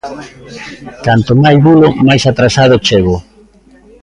Canto mais bulo, máis atrasado chego